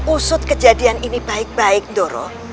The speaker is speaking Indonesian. usut kejadian ini baik baik doro